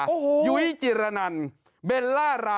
ก็ไม่รู้ว่าจะหามาได้จะบวชก่อนเบียดหรือเปล่า